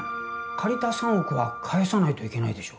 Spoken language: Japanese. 借りた３億は返さないといけないでしょ？